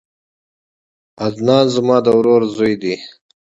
عدنان زما د ورور زوی دی